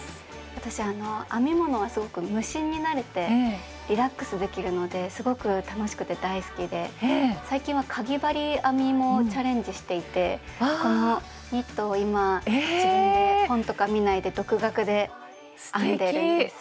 私編み物はすごく無心になれてリラックスできるのですごく楽しくて大好きで最近はかぎ針編みもチャレンジしていてこのニットを今自分で本とか見ないで独学で編んでるんです。